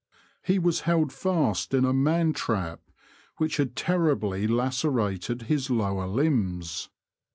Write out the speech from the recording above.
He was held fast in a man trap which had terribly lacerated his lower limbs.